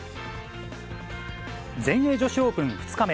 全英女子オープン２日目。